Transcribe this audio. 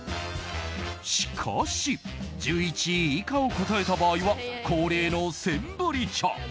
しかし１１位以下を答えた場合は恒例のセンブリ茶。